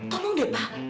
tolong deh pak